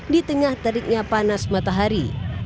di tengah teriknya panas matahari